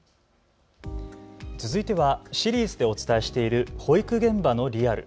続いてはシリーズでお伝えしている保育現場のリアル。